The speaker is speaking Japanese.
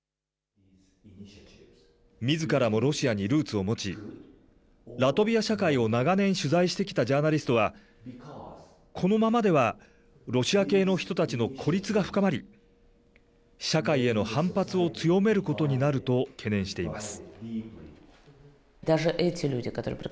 みずからもロシアにルーツを持ち、ラトビア社会を長年取材してきたジャーナリストは、このままではロシア系の人たちの孤立が深まり、社会への反発を強めることになると懸念しています。